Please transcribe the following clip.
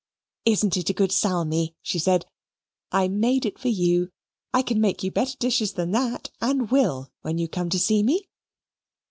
"Isn't it a good salmi?" she said; "I made it for you. I can make you better dishes than that, and will when you come to see me."